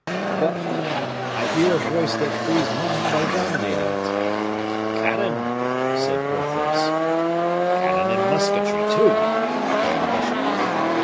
But, hark! I hear a voice that frees mine by dominating it." "Cannon!" said Porthos. "Cannon and musketry, too!" cried the bishop.